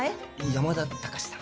山田隆史さん。